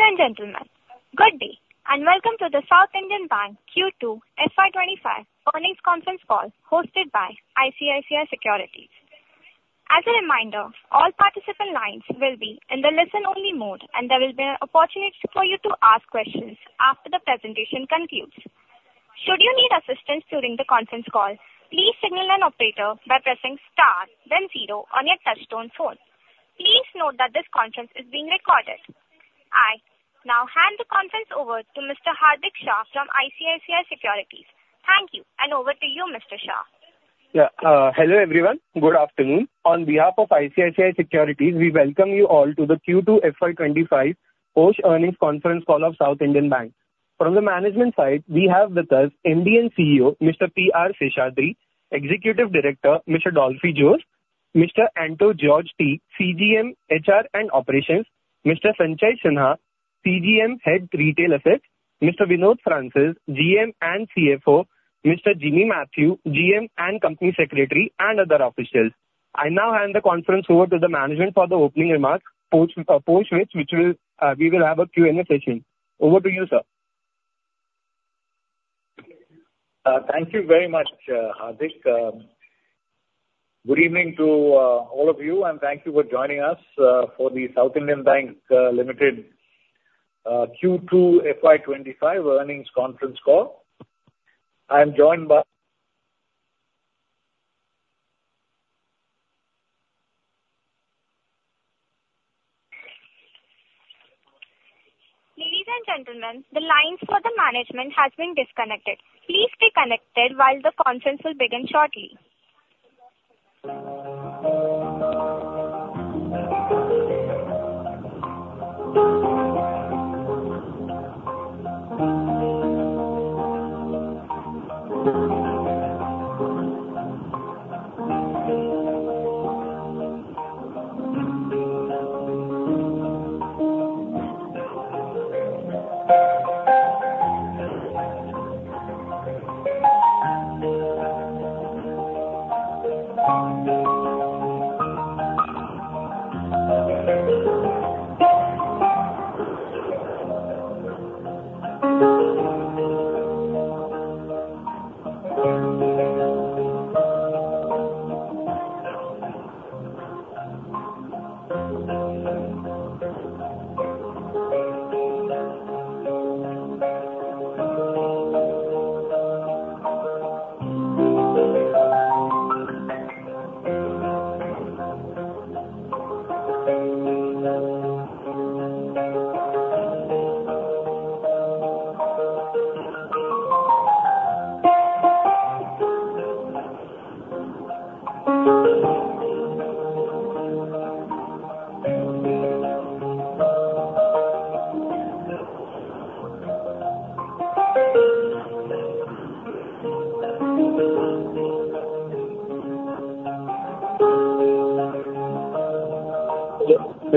Ladies and gentlemen, good day and welcome to the South Indian Bank Q2 FY25 Earnings Conference Call hosted by ICICI Securities. As a reminder, all participant lines will be in the listen-only mode, and there will be an opportunity for you to ask questions after the presentation concludes. Should you need assistance during the conference call, please signal an operator by pressing star, then zero on your touch-tone phone. Please note that this conference is being recorded. I now hand the conference over to Mr. Hardik Shah from ICICI Securities. Thank you, and over to you, Mr. Shah. Yeah, hello everyone, good afternoon. On behalf of ICICI Securities, we welcome you all to the Q2 FY25 Post-Earnings Conference Call of South Indian Bank. From the management side, we have with us MD and CEO Mr. P. R. Seshadri, Executive Director Mr. Dolphy Jose, Mr. Anto George T., CGM, HR and Operations, Mr. Sanchay Sinha, CGM, Head Retail Assets, Mr. Vinod Francis, GM and CFO, Mr. Jimmy Mathew, GM and Company Secretary, and other officials. I now hand the conference over to the management for the opening remarks after which we will have a Q&A session. Over to you, sir. Thank you very much, Hardik. Good evening to all of you, and thank you for joining us for the South Indian Bank Limited Q2 FY25 Earnings Conference Call. I am joined by. Ladies and gentlemen, the lines for the management have been disconnected. Please stay connected while the conference will begin shortly.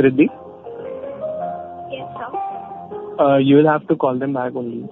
Yes, Redhi. Yes, sir? You will have to call them back only.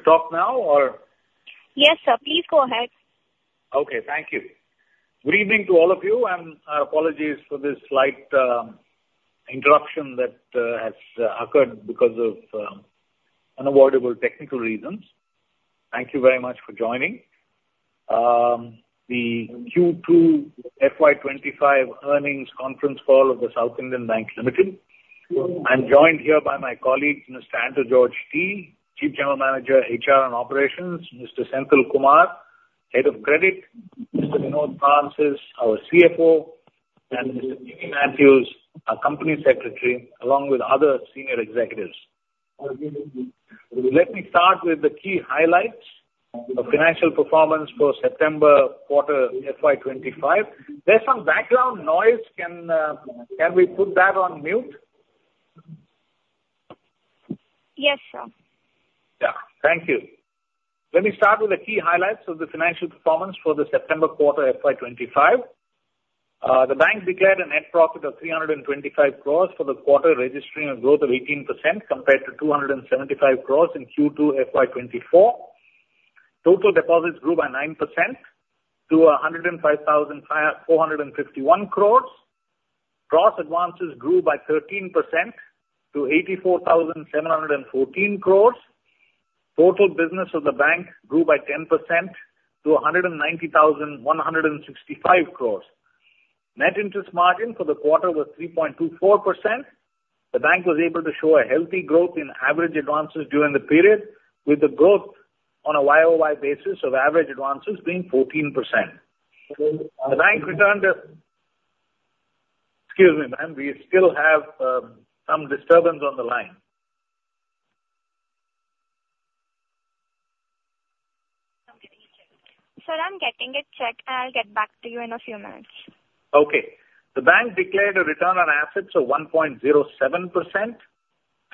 sir. Am I supposed to talk now, or? Yes, sir. Please go ahead. Okay, thank you. Good evening to all of you, and apologies for this slight interruption that has occurred because of unavoidable technical reasons. Thank you very much for joining the Q2 FY25 Earnings Conference Call of the South Indian Bank Limited. I'm joined here by my colleagues, Mr. Anto George T., Chief General Manager, HR and Operations; Mr. Senthil Kumar, Head of Credit; Mr. Vinod Francis, our CFO; and Mr. Jimmy Mathew, our Company Secretary, along with other senior executives. Let me start with the key highlights of financial performance for September quarter FY25. There's some background noise. Can we put that on mute? Yes, sir. Yeah, thank you. Let me start with the key highlights of the financial performance for the September quarter FY25. The bank declared a net profit of 325 crores for the quarter, registering a growth of 18% compared to 275 crores in Q2 FY24. Total deposits grew by 9% to 105,451 crores. Gross advances grew by 13% to 84,714 crores. Total business of the bank grew by 10% to 190,165 crores. Net interest margin for the quarter was 3.24%. The bank was able to show a healthy growth in average advances during the period, with the growth on a YOY basis of average advances being 14%. The bank returned to—excuse me, ma'am, we still have some disturbance on the line. Sir, I'm getting it checked, and I'll get back to you in a few minutes. Okay. The bank declared a return on assets of 1.07% and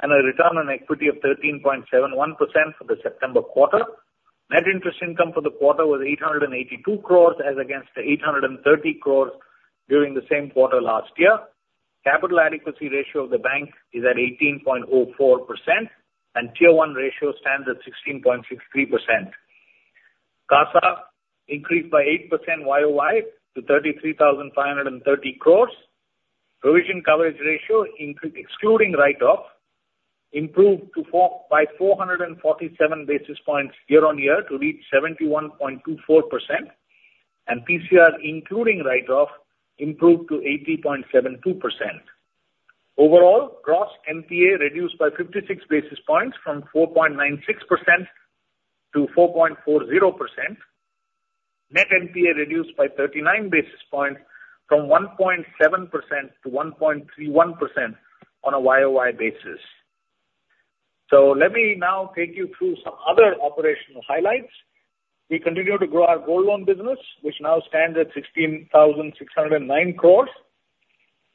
a return on equity of 13.71% for the September quarter. Net interest income for the quarter was 882 crores, as against 830 crores during the same quarter last year. Capital adequacy ratio of the bank is at 18.04%, and tier one ratio stands at 16.63%. CASA increased by 8% YOY to 33,530 crores. Provision coverage ratio, excluding write-off, improved by 447 basis points year-on-year to reach 71.24%, and PCR, including write-off, improved to 80.72%. Overall, gross NPA reduced by 56 basis points from 4.96% to 4.40%. Net NPA reduced by 39 basis points from 1.7% to 1.31% on a YOY basis. So let me now take you through some other operational highlights. We continue to grow our gold loan business, which now stands at 16,609 crores,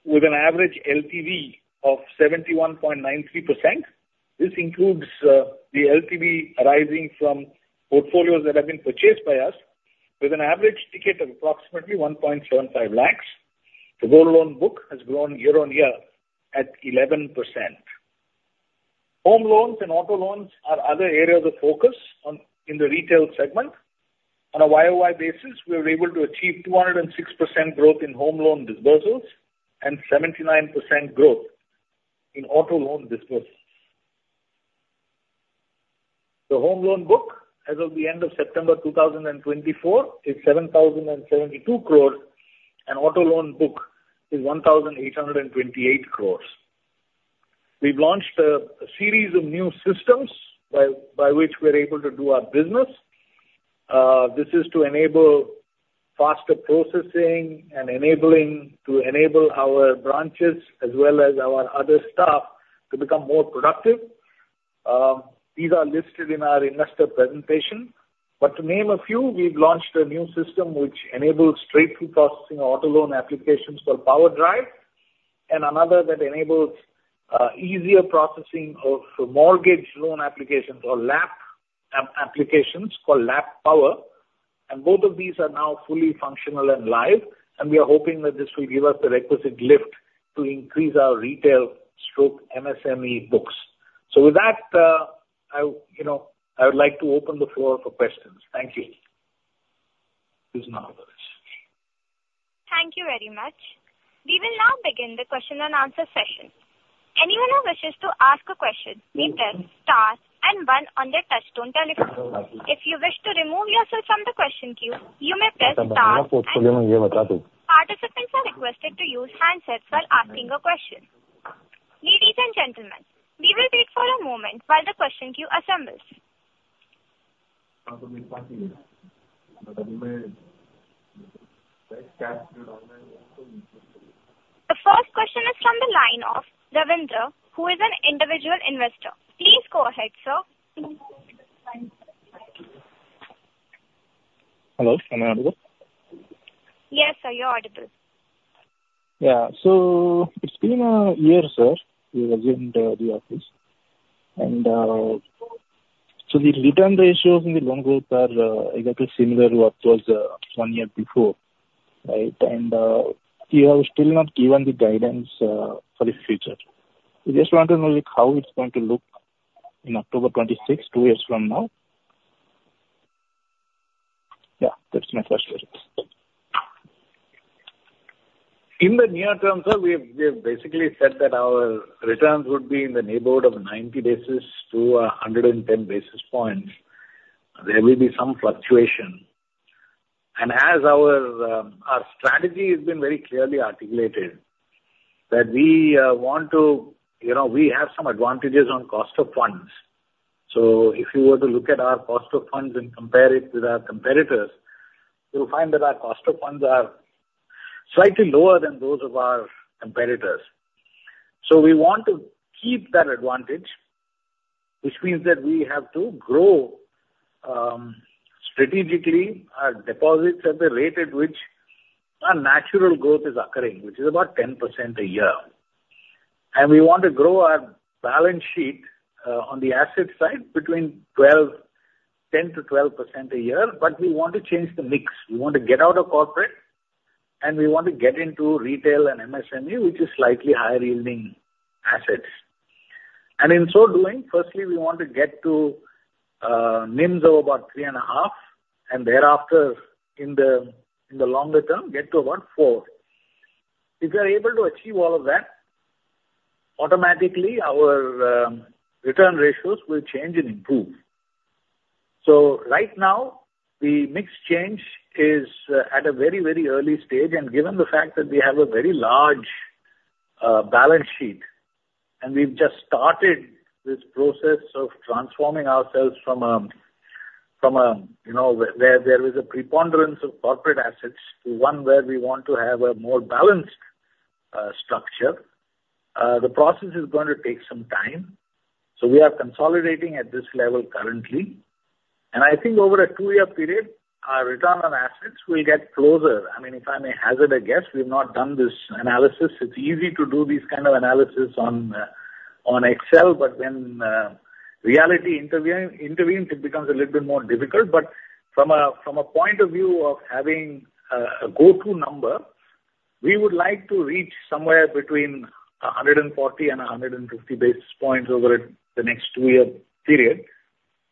with an average LTV of 71.93%. This includes the LTV arising from portfolios that have been purchased by us, with an average ticket of approximately 1.75 lakh. The gold loan book has grown year-on-year at 11%. Home loans and auto loans are other areas of focus in the retail segment. On a YOY basis, we were able to achieve 206% growth in home loan disbursals and 79% growth in auto loan disbursals. The home loan book as of the end of September 2024 is 7,072 crores, and auto loan book is 1,828 crores. We've launched a series of new systems by which we're able to do our business. This is to enable faster processing and enabling our branches as well as our other staff to become more productive. These are listed in our investor presentation. But to name a few, we've launched a new system which enables straight-through processing auto loan applications for Power Drive, and another that enables easier processing of mortgage loan applications or LAP applications called LAP Power. And both of these are now fully functional and live, and we are hoping that this will give us the requisite lift to increase our retail slash MSME books. So with that, I would like to open the floor for questions. Thank you. Thank you very much. We will now begin the question and answer session. Anyone who wishes to ask a question may press star and one on their touch-tone telephone. If you wish to remove yourself from the question queue, you may press star. Participants are requested to use handsets while asking a question. Ladies and gentlemen, we will wait for a moment while the question queue assembles. The first question is from the line of Ravindra, who is an individual investor. Please go ahead, sir. Hello, am I audible? Yes, sir, you're audible. Yeah, so it's been a year, sir, we resumed the office. The return ratios in the loan growth are exactly similar to what was one year before, right? We are still not given the guidance for the future. We just want to know how it's going to look in October 2026, two years from now. Yeah, that's my first question. In the near term, sir, we have basically said that our returns would be in the neighborhood of 90 basis points to 110 basis points. There will be some fluctuation. Our strategy has been very clearly articulated, that we want to. We have some advantages on cost of funds. If you were to look at our cost of funds and compare it with our competitors, you'll find that our cost of funds are slightly lower than those of our competitors. So we want to keep that advantage, which means that we have to grow strategically our deposits at the rate at which our natural growth is occurring, which is about 10% a year. And we want to grow our balance sheet on the asset side between 10%-12% a year, but we want to change the mix. We want to get out of corporate, and we want to get into retail and MSME, which is slightly higher-yielding assets. And in so doing, firstly, we want to get to NIMs of about 3.5%, and thereafter, in the longer term, get to about 4%. If we're able to achieve all of that, automatically our return ratios will change and improve. So right now, the mix change is at a very, very early stage, and given the fact that we have a very large balance sheet, and we've just started this process of transforming ourselves from a, where there was a preponderance of corporate assets to one where we want to have a more balanced structure, the process is going to take some time. So we are consolidating at this level currently. And I think over a two-year period, our return on assets will get closer. I mean, if I may hazard a guess, we've not done this analysis. It's easy to do these kinds of analyses on Excel, but when reality intervenes, it becomes a little bit more difficult. But from a point of view of having a go-to number, we would like to reach somewhere between 140 and 150 basis points over the next two-year period.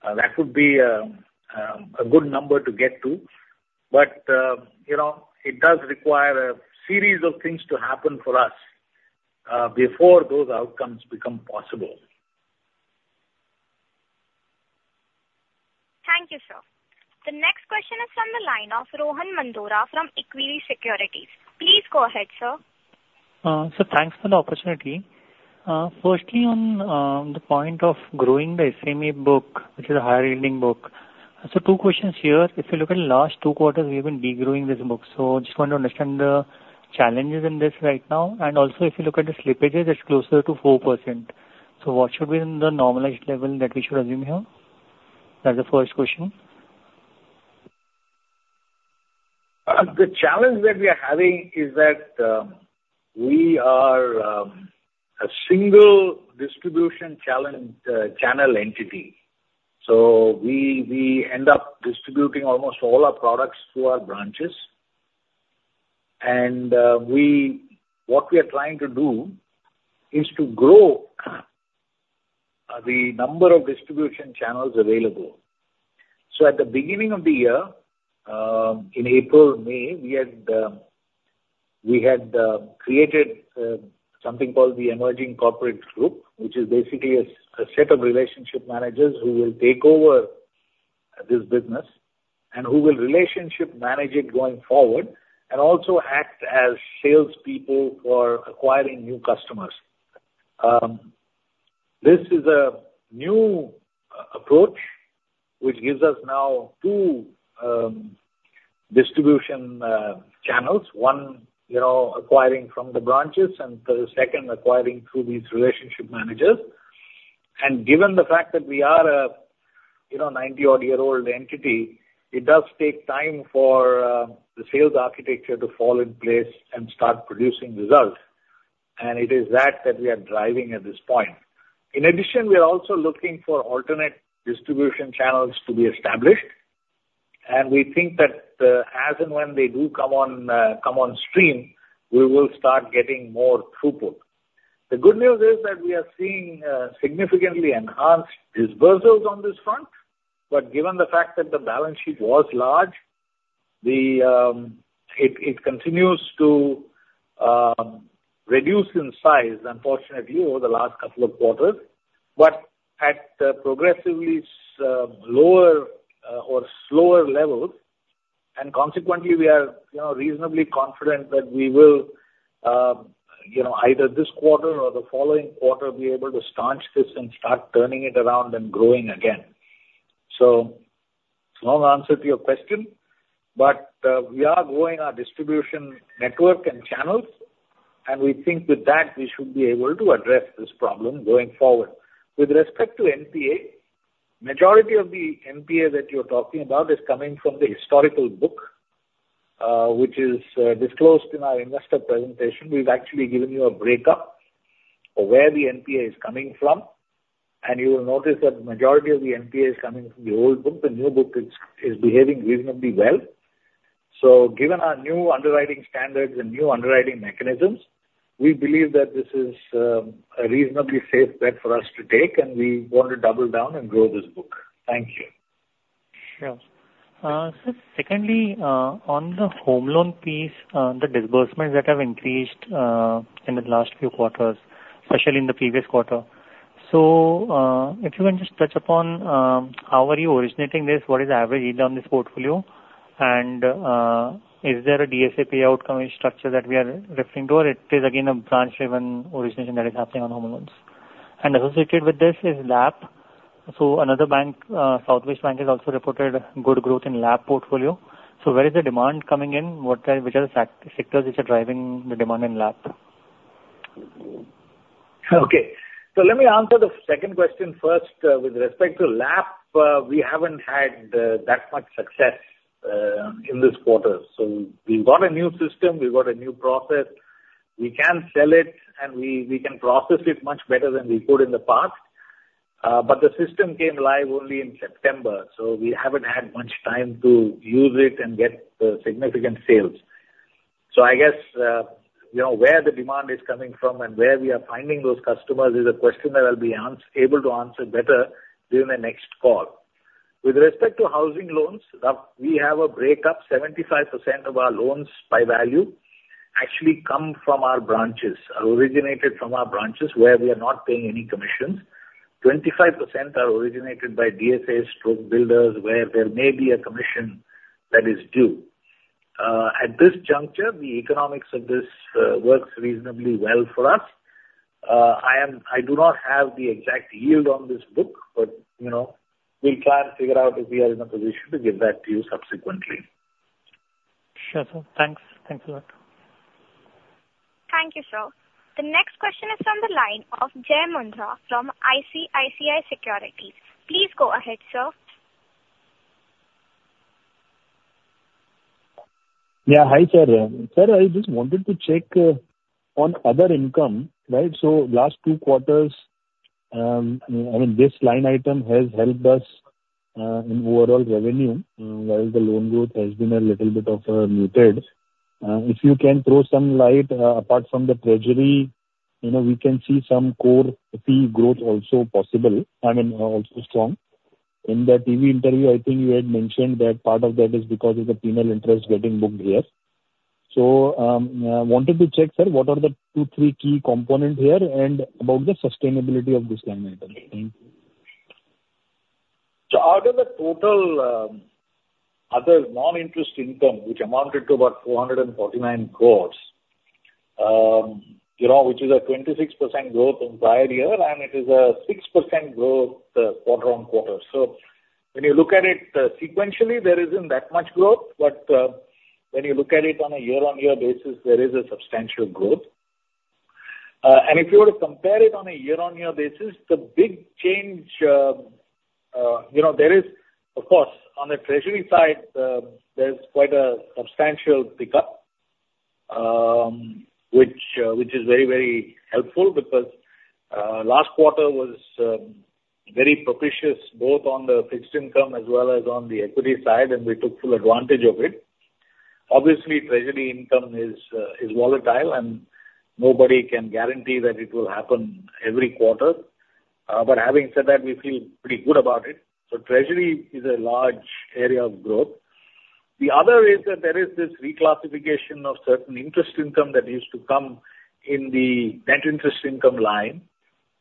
That would be a good number to get to, but it does require a series of things to happen for us before those outcomes become possible. Thank you, sir. The next question is from the line of Rohan Mandora from Equirus Securities. Please go ahead, sir. Sir, thanks for the opportunity. Firstly, on the point of growing the SME book, which is a higher-yielding book, so two questions here. If you look at the last two quarters, we have been degrowing this book. So I just want to understand the challenges in this right now. And also, if you look at the slippages, it's closer to 4%. So what should be the normalized level that we should assume here? That's the first question. The challenge that we are having is that we are a single distribution channel entity. So we end up distributing almost all our products to our branches. And what we are trying to do is to grow the number of distribution channels available. So at the beginning of the year, in April, May, we had created something called the Emerging Corporate Group, which is basically a set of relationship managers who will take over this business and who will relationship manage it going forward and also act as salespeople for acquiring new customers. This is a new approach which gives us now two distribution channels: one acquiring from the branches and the second acquiring through these relationship managers. And given the fact that we are a 90-odd-year-old entity, it does take time for the sales architecture to fall in place and start producing results. It is that that we are driving at this point. In addition, we are also looking for alternate distribution channels to be established. We think that as and when they do come on stream, we will start getting more throughput. The good news is that we are seeing significantly enhanced disbursals on this front. Given the fact that the balance sheet was large, it continues to reduce in size, unfortunately, over the last couple of quarters, but at progressively lower or slower levels. Consequently, we are reasonably confident that we will, either this quarter or the following quarter, be able to staunch this and start turning it around and growing again. Long answer to your question, but we are growing our distribution network and channels, and we think with that we should be able to address this problem going forward. With respect to NPA, the majority of the NPA that you're talking about is coming from the historical book, which is disclosed in our investor presentation. We've actually given you a breakup of where the NPA is coming from, and you will notice that the majority of the NPA is coming from the old book. The new book is behaving reasonably well. So given our new underwriting standards and new underwriting mechanisms, we believe that this is a reasonably safe bet for us to take, and we want to double down and grow this book. Thank you. Yeah. Secondly, on the home loan piece, the disbursements that have increased in the last few quarters, especially in the previous quarter. So if you can just touch upon how are you originating this, what is the average yield on this portfolio, and is there a DSA payout structure that we are referring to, or it is again a branch-driven origination that is happening on home loans? And associated with this is LAP. So another bank, South Indian Bank, has also reported good growth in LAP portfolio. So where is the demand coming in? Which are the sectors which are driving the demand in LAP? Okay. So let me answer the second question first. With respect to LAP, we haven't had that much success in this quarter. So we've got a new system. We've got a new process. We can sell it, and we can process it much better than we could in the past. But the system came live only in September, so we haven't had much time to use it and get significant sales. So I guess where the demand is coming from and where we are finding those customers is a question that I'll be able to answer better during the next call. With respect to housing loans, we have a breakup. 75% of our loans by value actually come from our branches, originated from our branches where we are not paying any commissions. 25% are originated by DSA stroke builders where there may be a commission that is due. At this juncture, the economics of this works reasonably well for us. I do not have the exact yield on this book, but we'll try and figure out if we are in a position to give that to you subsequently. Sure, sir. Thanks. Thanks a lot. Thank you, sir. The next question is from the line of Jai Mundra from ICICI Securities. Please go ahead, sir. Yeah, hi there. Sir, I just wanted to check on other income, right? So last two quarters, I mean, this line item has helped us in overall revenue, whereas the loan growth has been a little bit of a muted. If you can throw some light, apart from the treasury, we can see some core fee growth also possible. I mean, also strong. In that TV interview, I think you had mentioned that part of that is because of the penal interest getting booked here. So I wanted to check, sir, what are the two, three key components here and about the sustainability of this line item. Thank you. So out of the total other non-interest income, which amounted to about 449 crores, which is a 26% growth in the prior year, and it is a 6% growth quarter on quarter. So when you look at it sequentially, there isn't that much growth, but when you look at it on a year-on-year basis, there is a substantial growth. And if you were to compare it on a year-on-year basis, the big change there is, of course, on the treasury side, there's quite a substantial pickup, which is very, very helpful because last quarter was very propitious both on the fixed income as well as on the equity side, and we took full advantage of it. Obviously, treasury income is volatile, and nobody can guarantee that it will happen every quarter. But having said that, we feel pretty good about it. So treasury is a large area of growth. The other is that there is this reclassification of certain interest income that used to come in the net interest income line,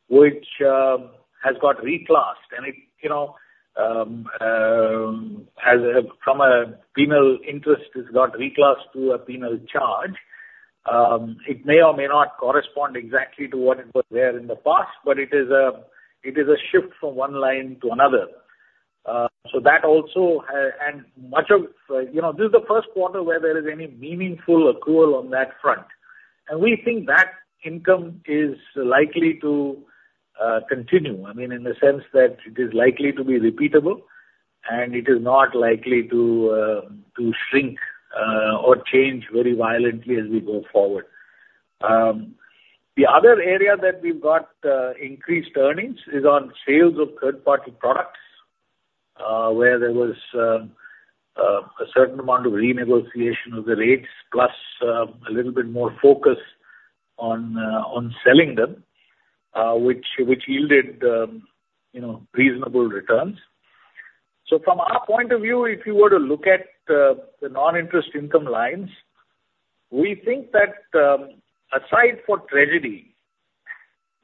which has got reclassed, and from a penal interest, it's got reclassed to a penal charge. It may or may not correspond exactly to what it was there in the past, but it is a shift from one line to another, so that also had much of this. This is the first quarter where there is any meaningful accrual on that front, and we think that income is likely to continue. I mean, in the sense that it is likely to be repeatable, and it is not likely to shrink or change very violently as we go forward. The other area that we've got increased earnings is on sales of third-party products, where there was a certain amount of renegotiation of the rates, plus a little bit more focus on selling them, which yielded reasonable returns, so from our point of view, if you were to look at the non-interest income lines, we think that aside for treasury,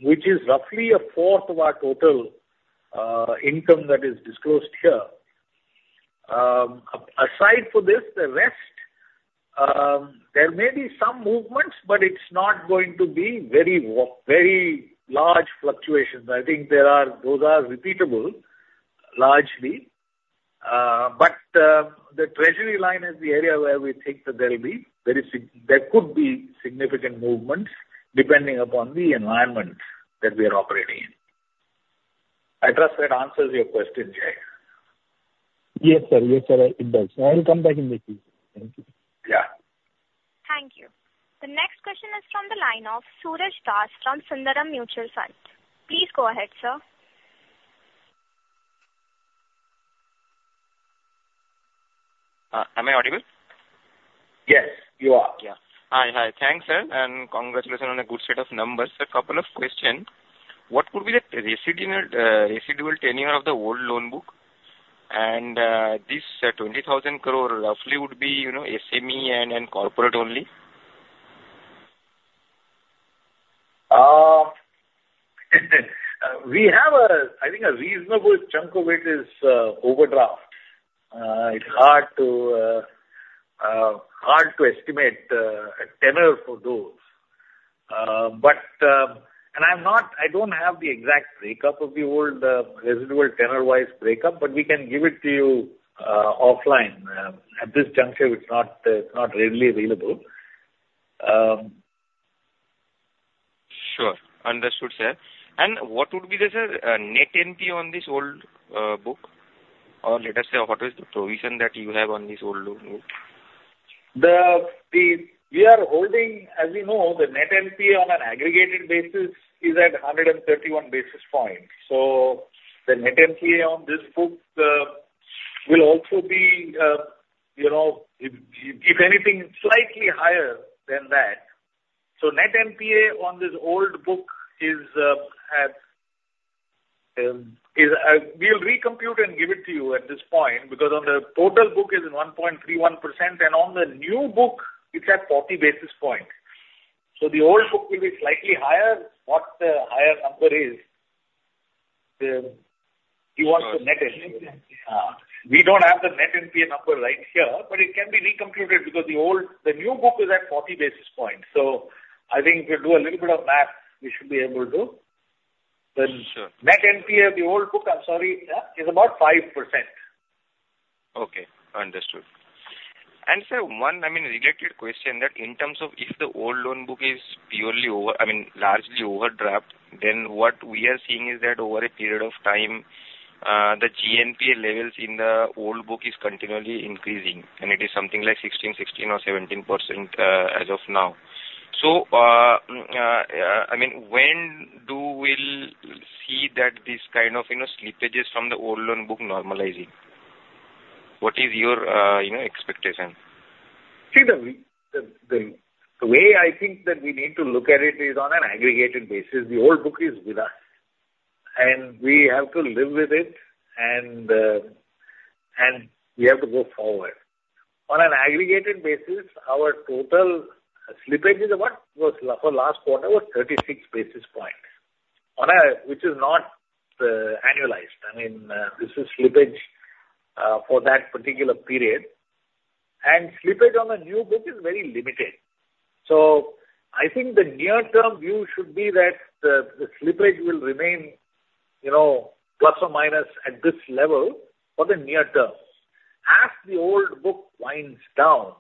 which is roughly a fourth of our total income that is disclosed here, aside for this, the rest, there may be some movements, but it's not going to be very large fluctuations. I think those are repeatable largely, but the treasury line is the area where we think that there could be significant movements depending upon the environment that we are operating in. I trust that answers your question, Jai. Yes, sir. Yes, sir. It does. I'll come back in the Q&A. Thank you. Yeah. Thank you. The next question is from the line of Suraj Das from Sundaram Mutual Fund. Please go ahead, sir. Am I audible? Yes, you are. Yeah. Hi, hi. Thanks, sir. And congratulations on a good set of numbers. A couple of questions. What would be the residual tenure of the old loan book? And this 20,000 crore roughly would be SME and corporate only? We have, I think, a reasonable chunk of it is overdraft. It's hard to estimate tenor for those. And I don't have the exact breakup of the old residual tenor-wise breakup, but we can give it to you offline. At this juncture, it's not readily available. Sure. Understood, sir. And what would be the Net NPA on this old book? Or let us say, what is the provision that you have on this old loan book? We are holding, as we know, the net NPA on an aggregated basis is at 131 basis points, so the net NPA on this book will also be, if anything, slightly higher than that, so net NPA on this old book is we'll recompute and give it to you at this point because on the total book is 1.31%, and on the new book, it's at 40 basis points, so the old book will be slightly higher. What the higher number is, you want the net NPA. We don't have the net NPA number right here, but it can be recomputed because the new book is at 40 basis points, so I think if you do a little bit of math, you should be able to. The net NPA of the old book, I'm sorry, is about 5%. Okay. Understood. And sir, one, I mean, related question that in terms of if the old loan book is purely, I mean, largely overdrafted, then what we are seeing is that over a period of time, the GNPA levels in the old book is continually increasing, and it is something like 16, 17, or 17% as of now. So I mean, when do we will see that this kind of slippages from the old loan book normalizing? What is your expectation? See, the way I think that we need to look at it is on an aggregated basis. The old book is with us, and we have to live with it, and we have to go forward. On an aggregated basis, our total slippage for last quarter was 36 basis points, which is not annualized. I mean, this is slippage for that particular period. And slippage on the new book is very limited. So I think the near-term view should be that the slippage will remain plus or minus at this level for the near term. As the old book winds down,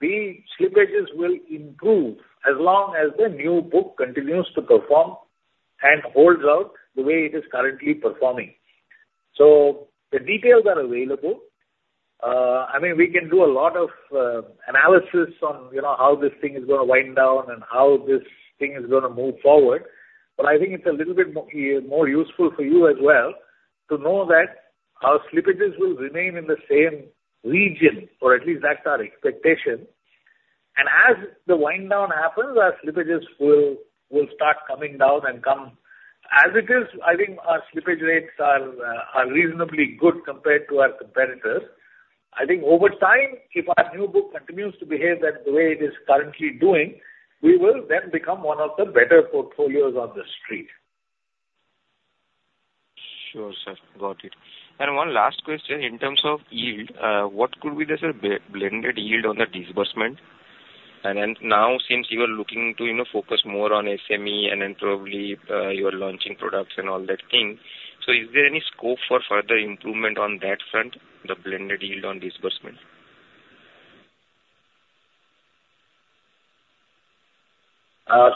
the slippages will improve as long as the new book continues to perform and holds out the way it is currently performing, so the details are available. I mean, we can do a lot of analysis on how this thing is going to wind down and how this thing is going to move forward. But I think it's a little bit more useful for you as well to know that our slippages will remain in the same region, or at least that's our expectation. And as the wind down happens, our slippages will start coming down and come. As it is, I think our slippage rates are reasonably good compared to our competitors. I think over time, if our new book continues to behave the way it is currently doing, we will then become one of the better portfolios on the street. Sure, sir. Got it. And one last question. In terms of yield, what could be the blended yield on the disbursement? And now, since you are looking to focus more on SME and then probably you are launching products and all that thing, so is there any scope for further improvement on that front, the blended yield on disbursement?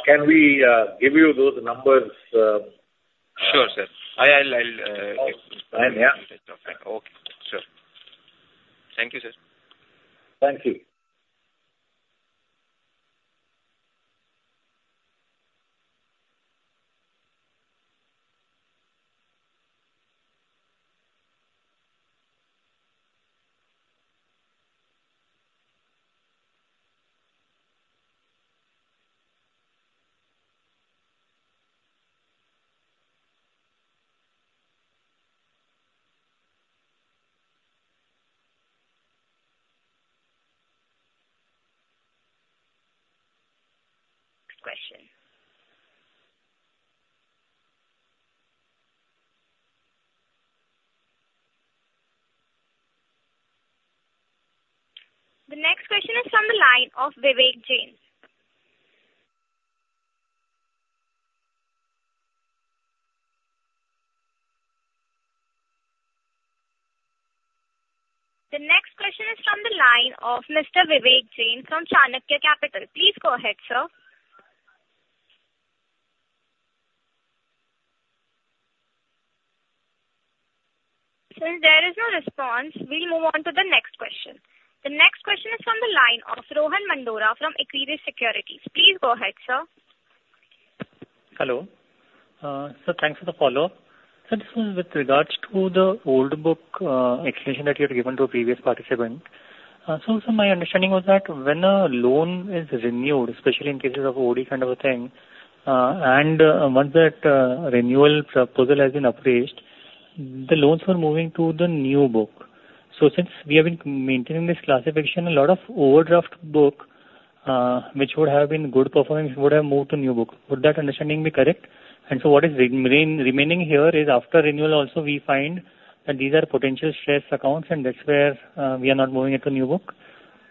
Can we give you those numbers? Sure, sir. I'll explain that. Yeah. Okay. Sure. Thank you, sir. Thank you. Question. The next question is from the line of Vivek Jain. The next question is from the line of Mr. Vivek Jain from Chanakya Capital. Please go ahead, sir. Since there is no response, we'll move on to the next question. The next question is from the line of Rohan Mandora from Equirus Securities. Please go ahead, sir. Hello. So thanks for the follow-up. So this was with regards to the old book explanation that you had given to a previous participant. So my understanding was that when a loan is renewed, especially in cases of OD kind of a thing, and once that renewal proposal has been appraised, the loans were moving to the new book. So since we have been maintaining this classification, a lot of overdraft book, which would have been good performance, would have moved to new book. Would that understanding be correct? And so what is remaining here is after renewal, also we find that these are potential stress accounts, and that's where we are not moving it to new book.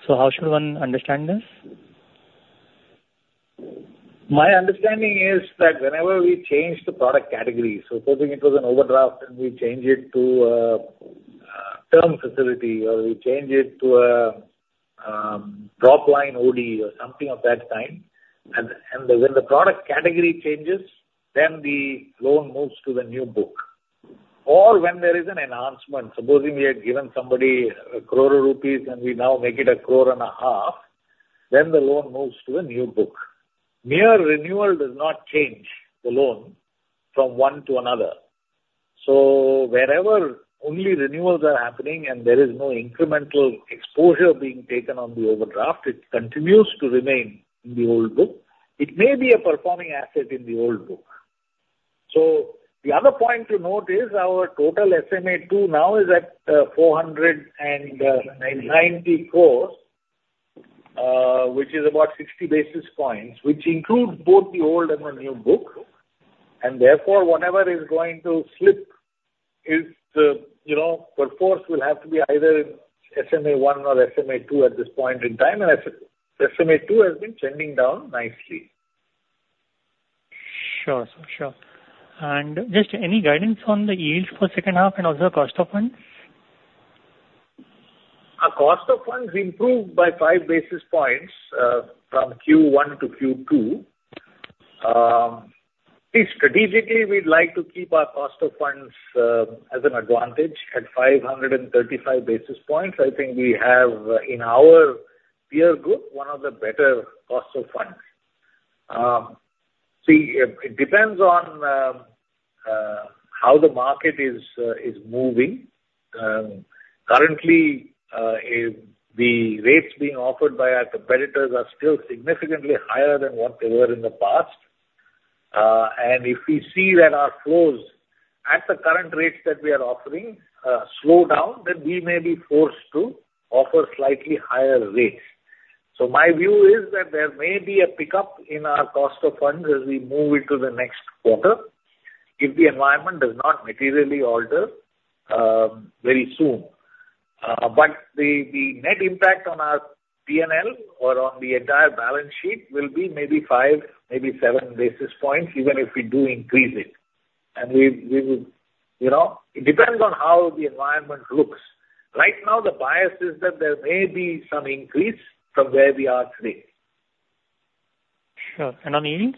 So how should one understand this? My understanding is that whenever we change the product category, supposing it was an overdraft and we change it to a term facility or we change it to a Dropline OD or something of that kind, and when the product category changes, then the loan moves to the new book. Or when there is an enhancement, supposing we had given somebody a crore of rupees and we now make it a crore and a half, then the loan moves to the new book. Mere renewal does not change the loan from one to another. So wherever only renewals are happening and there is no incremental exposure being taken on the overdraft, it continues to remain in the old book. It may be a performing asset in the old book. The other point to note is our total SMA2 now is at 494, which is about 60 basis points, which includes both the old and the new book. And therefore, whatever is going to slip is the first will have to be either SMA1 or SMA2 at this point in time. And SMA2 has been trending down nicely. Sure, sir. Sure. And just any guidance on the yield for second half and also cost of funds? Cost of funds improved by five basis points from Q1 to Q2. Strategically, we'd like to keep our cost of funds as an advantage at 535 basis points. I think we have, in our peer group, one of the better cost of funds. See, it depends on how the market is moving. Currently, the rates being offered by our competitors are still significantly higher than what they were in the past. And if we see that our flows at the current rates that we are offering slow down, then we may be forced to offer slightly higher rates. So my view is that there may be a pickup in our cost of funds as we move into the next quarter if the environment does not materially alter very soon. But the net impact on our P&L or on the entire balance sheet will be maybe five, maybe seven basis points, even if we do increase it. And it depends on how the environment looks. Right now, the bias is that there may be some increase from where we are today. Sure. And on yields?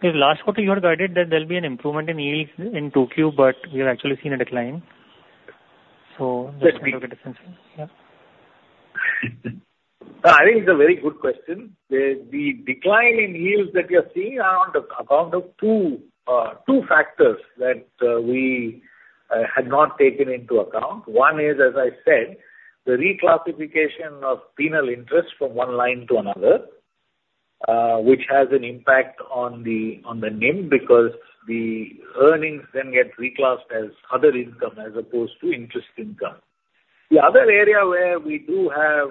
Because last quarter, you had guided that there'll be an improvement in yields in 2Q, but we have actually seen a decline. So let's look at the sense. Yeah. I think it's a very good question. The decline in yields that you're seeing is around an account of two factors that we had not taken into account. One is, as I said, the reclassification of penal interest from one line to another, which has an impact on the NIM because the earnings then get reclassed as other income as opposed to interest income. The other area where we do have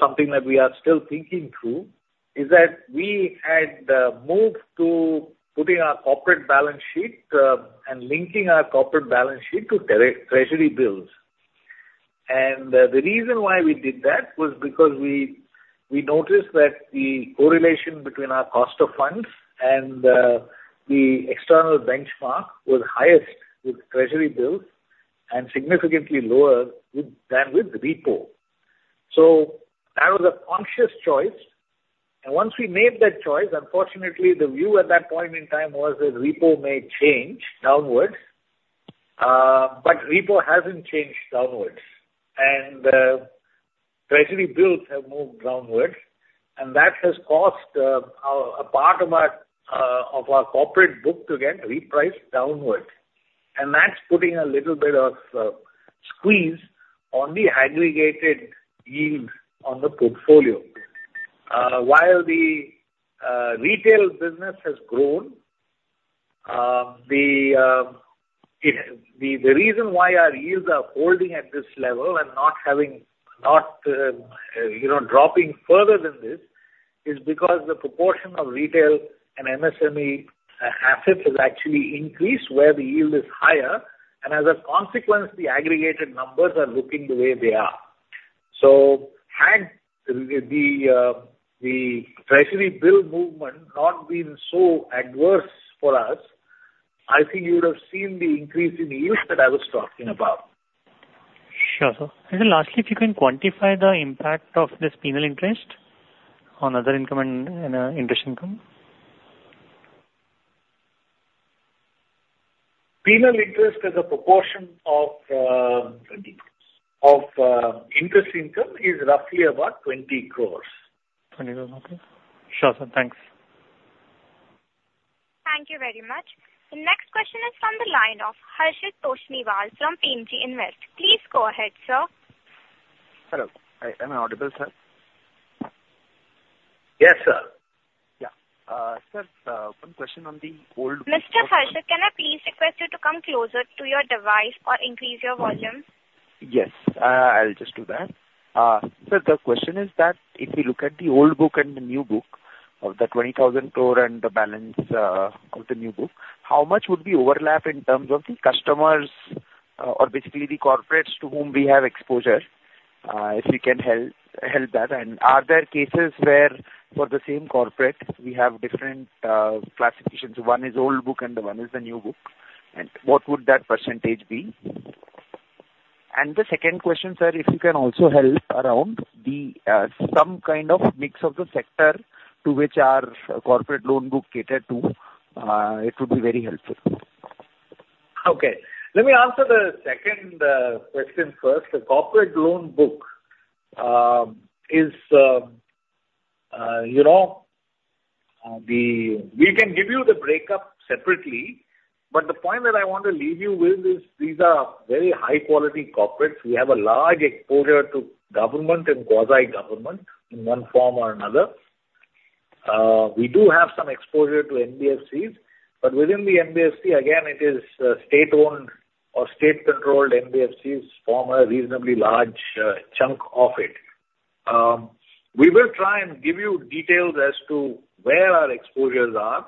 something that we are still thinking through is that we had moved to putting our corporate balance sheet and linking our corporate balance sheet to Treasury Bills. And the reason why we did that was because we noticed that the correlation between our cost of funds and the external benchmark was highest with Treasury Bills and significantly lower than with repo, so that was a conscious choice. Once we made that choice, unfortunately, the view at that point in time was that repo may change downwards, but repo hasn't changed downwards. Treasury bills have moved downward, and that has caused a part of our corporate book to get repriced downward. That's putting a little bit of squeeze on the aggregated yield on the portfolio. While the retail business has grown, the reason why our yields are holding at this level and not dropping further than this is because the proportion of retail and MSME assets has actually increased where the yield is higher. As a consequence, the aggregated numbers are looking the way they are. Had the Treasury bill movement not been so adverse for us, I think you would have seen the increase in yields that I was talking about. Sure. Sir. And then lastly, if you can quantify the impact of this penal interest on other income and interest income? Penal interest as a proportion of interest income is roughly about 20 crores. 20 crores. Okay. Sure, sir. Thanks. Thank you very much. The next question is from the line of Harshit Toshniwal from Premji Invest. Please go ahead, sir. Hello. Am I audible, sir? Yes, sir. Yeah. Sir, one question on the old book. Mr. Harshit, can I please request you to come closer to your device or increase your volume? Yes. I'll just do that. Sir, the question is that if we look at the old book and the new book of the 20,000 crore and the balance of the new book, how much would we overlap in terms of the customers or basically the corporates to whom we have exposure if we can help that? And are there cases where for the same corporate, we have different classifications? One is old book and the one is the new book. And what would that percentage be? And the second question, sir, if you can also help around some kind of mix of the sector to which our corporate loan book catered to, it would be very helpful. Okay. Let me answer the second question first. The corporate loan book is we can give you the breakup separately, but the point that I want to leave you with is these are very high-quality corporates. We have a large exposure to government and quasi-government in one form or another. We do have some exposure to NBFCs, but within the NBFC, again, it is state-owned or state-controlled NBFCs form a reasonably large chunk of it. We will try and give you details as to where our exposures are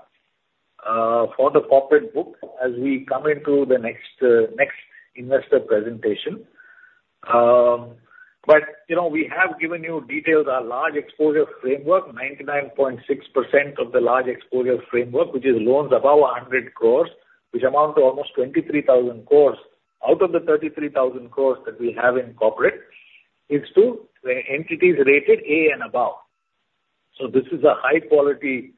for the corporate book as we come into the next investor presentation. But we have given you details, our Large Exposure Framework, 99.6% of the Large Exposure Framework, which is loans above 100 crores, which amount to almost 23,000 crores out of the 33,000 crores that we have in corporate, is to entities rated A and above. So this is a high-quality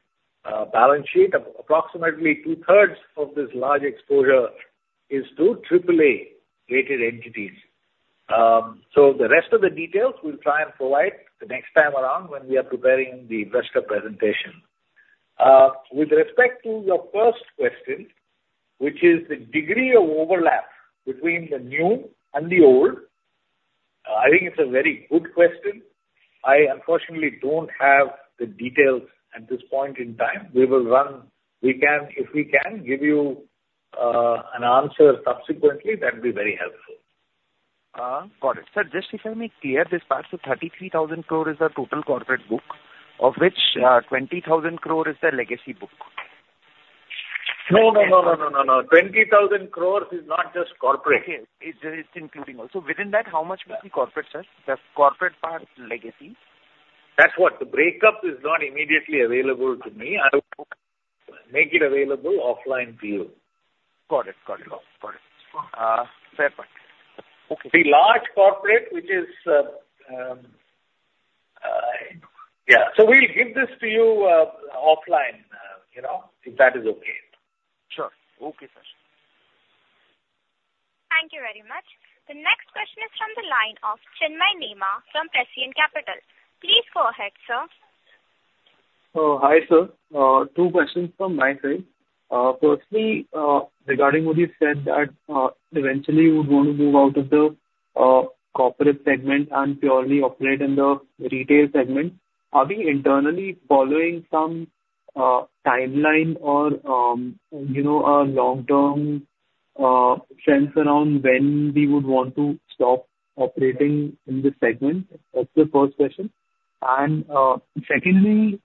balance sheet. Approximately two-thirds of this large exposure is to AAA-rated entities. So the rest of the details we'll try and provide the next time around when we are preparing the investor presentation. With respect to your first question, which is the degree of overlap between the new and the old, I think it's a very good question. I unfortunately don't have the details at this point in time. We will run if we can give you an answer subsequently, that would be very helpful. Got it. Sir, just if I may clarify, this part of 33,000 crores is the total corporate book, of which 20,000 crores is the legacy book. No, no, no, no, no, no, no. 20,000 crores is not just corporate. Okay. It's including also. Within that, how much would be corporate, sir? The corporate part, legacy? That's what the break-up is not immediately available to me. I will make it available offline to you. Got it. Fair point. Okay. The large corporate, which is yeah. So we'll give this to you offline if that is okay. Sure. Okay, sir. Thank you very much. The next question is from the line of Chinmay Nema from Prescient Capital. Please go ahead, sir. So hi, sir. Two questions from my side. Firstly, regarding what you said that eventually you would want to move out of the corporate segment and purely operate in the retail segment, are we internally following some timeline or a long-term sense around when we would want to stop operating in this segment? That's the first question. And secondly,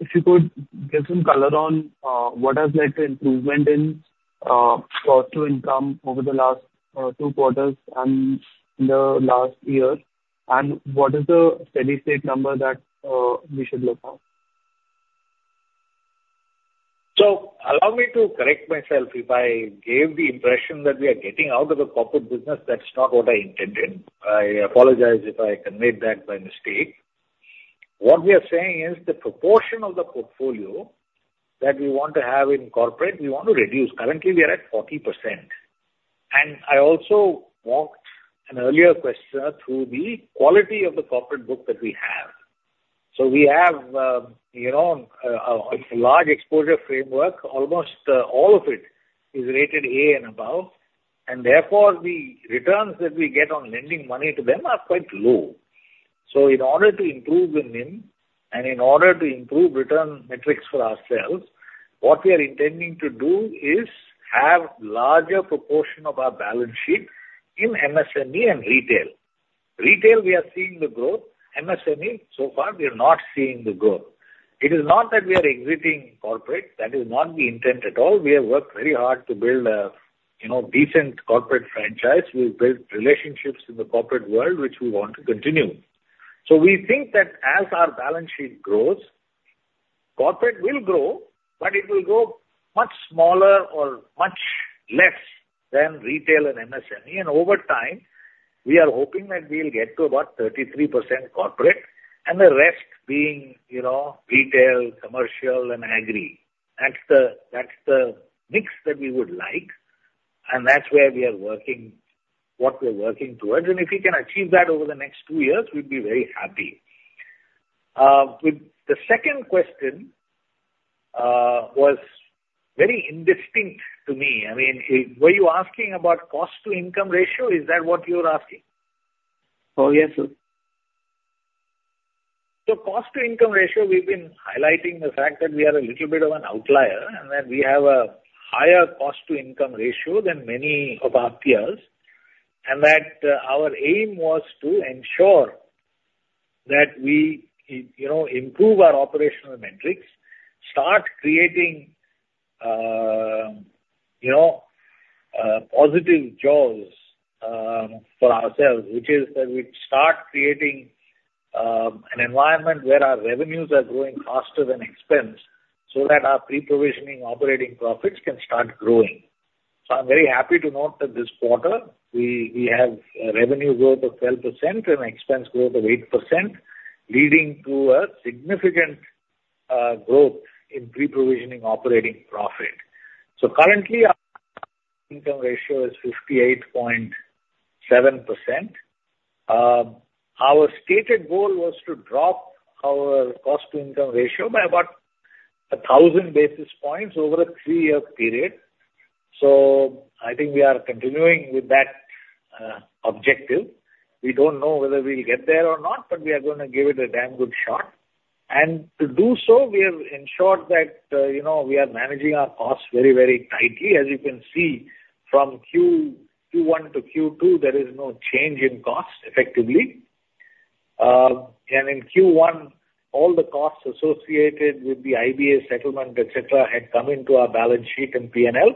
if you could give some color on what has led to improvement in cost-to-income over the last two quarters and the last year, and what is the steady-state number that we should look at? So allow me to correct myself. If I gave the impression that we are getting out of the corporate business, that's not what I intended. I apologize if I conveyed that by mistake. What we are saying is the proportion of the portfolio that we want to have in corporate, we want to reduce. Currently, we are at 40%. And I also walked an earlier question through the quality of the corporate book that we have. So we have a large exposure framework. Almost all of it is rated A and above. And therefore, the returns that we get on lending money to them are quite low. So in order to improve the NIM and in order to improve return metrics for ourselves, what we are intending to do is have a larger proportion of our balance sheet in MSME and retail. Retail, we are seeing the growth. MSME, so far, we are not seeing the growth. It is not that we are exiting corporate. That is not the intent at all. We have worked very hard to build a decent corporate franchise. We've built relationships in the corporate world, which we want to continue. So we think that as our balance sheet grows, corporate will grow, but it will grow much smaller or much less than retail and MSME. And over time, we are hoping that we'll get to about 33% corporate and the rest being retail, commercial, and agri. That's the mix that we would like. And that's where we are working, what we're working towards. And if we can achieve that over the next two years, we'd be very happy. The second question was very indistinct to me. I mean, were you asking about cost-to-income ratio? Is that what you're asking? Oh, yes, sir. So, cost-to-income ratio. We've been highlighting the fact that we are a little bit of an outlier and that we have a higher cost-to-income ratio than many of our peers. And that our aim was to ensure that we improve our operational metrics, start creating positive jobs for ourselves, which is that we start creating an environment where our revenues are growing faster than expense so that our pre-provisioning operating profits can start growing. So, I'm very happy to note that this quarter, we have a revenue growth of 12% and expense growth of 8%, leading to a significant growth in pre-provisioning operating profit. So, currently, our income ratio is 58.7%. Our stated goal was to drop our cost-to-income ratio by about 1,000 basis points over a three-year period. So, I think we are continuing with that objective. We don't know whether we'll get there or not, but we are going to give it a damn good shot. And to do so, we have ensured that we are managing our costs very, very tightly. As you can see, from Q1 to Q2, there is no change in cost effectively. And in Q1, all the costs associated with the IBA settlement, etc., had come into our balance sheet and P&L,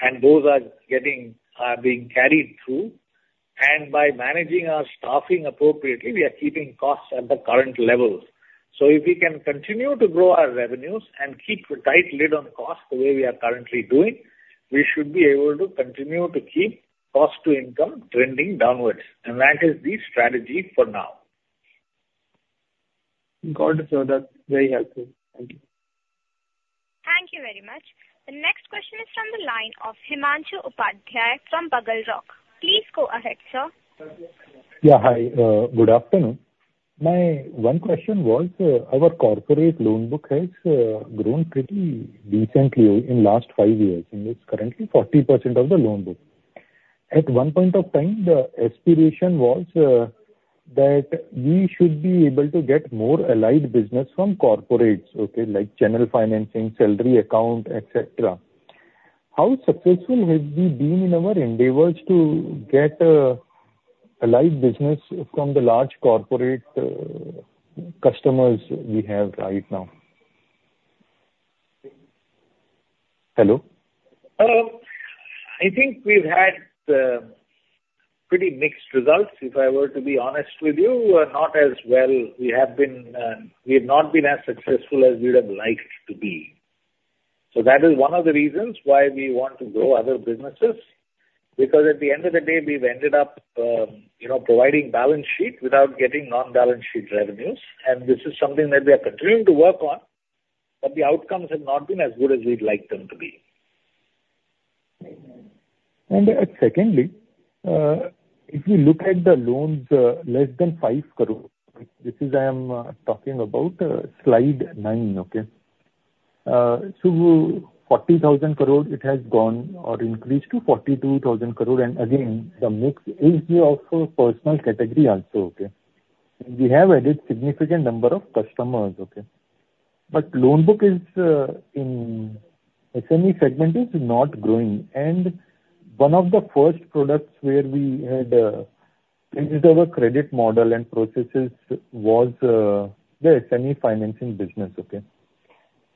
and those are being carried through. And by managing our staffing appropriately, we are keeping costs at the current level. So if we can continue to grow our revenues and keep a tight lid on costs the way we are currently doing, we should be able to continue to keep cost-to-income trending downwards. And that is the strategy for now. Got it, sir. That's very helpful. Thank you. Thank you very much. The next question is from the line of Himanshu Upadhyay from Bugle Rock. Please go ahead, sir. Yeah. Hi. Good afternoon. My one question was our corporate loan book has grown pretty decently in the last five years, and it's currently 40% of the loan book. At one point of time, the aspiration was that we should be able to get more allied business from corporates, okay, like channel financing, salary account, etc. How successful have we been in our endeavors to get allied business from the large corporate customers we have right now? Hello? I think we've had pretty mixed results, if I were to be honest with you. Not as well. We have not been as successful as we would have liked to be. So that is one of the reasons why we want to grow other businesses, because at the end of the day, we've ended up providing balance sheet without getting non-balance sheet revenues. And this is something that we are continuing to work on, but the outcomes have not been as good as we'd like them to be. And secondly, if we look at the loans less than five crore, this is, I am talking about slide 9, okay? So 40,000 crore, it has gone or increased to 42,000 crore. And again, the mix is also personal category also, okay? We have added a significant number of customers, okay? But loan book in SME segment is not growing. And one of the first products where we had changed our credit model and processes was the SME financing business, okay?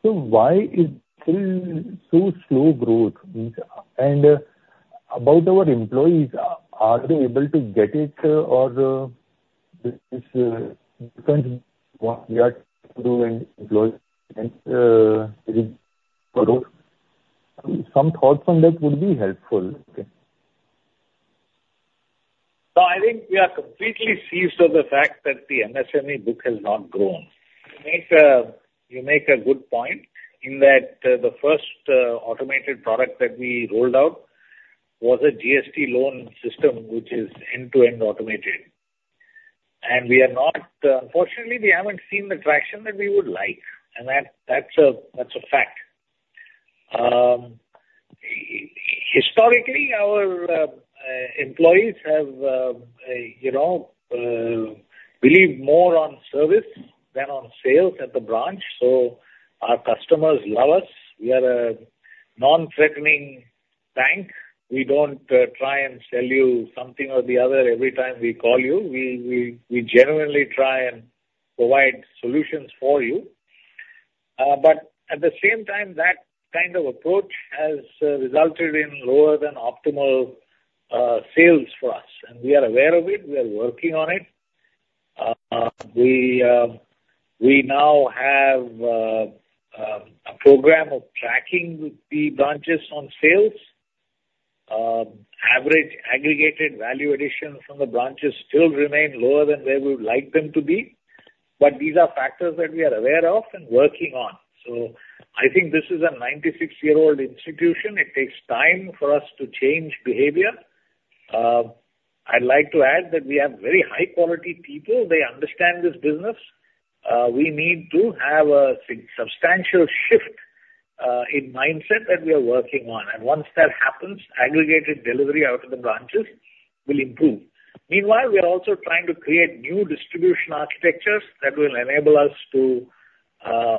So why is there so slow growth? And about our employees, are they able to get it, or is it different what we are doing? Some thoughts on that would be helpful, okay? So I think we are completely seized on the fact that the MSME book has not grown. You make a good point in that the first automated product that we rolled out was a GST loan system, which is end-to-end automated. And we are not, unfortunately, we haven't seen the traction that we would like, and that's a fact. Historically, our employees have believed more on service than on sales at the branch. So our customers love us. We are a non-threatening bank. We don't try and sell you something or the other every time we call you. We genuinely try and provide solutions for you. But at the same time, that kind of approach has resulted in lower than optimal sales for us. And we are aware of it. We are working on it. We now have a program of tracking the branches on sales. Average aggregated value addition from the branches still remains lower than where we would like them to be. But these are factors that we are aware of and working on. So I think this is a 96-year-old institution. It takes time for us to change behavior. I'd like to add that we have very high-quality people. They understand this business. We need to have a substantial shift in mindset that we are working on. And once that happens, aggregated delivery out of the branches will improve. Meanwhile, we are also trying to create new distribution architectures that will enable us to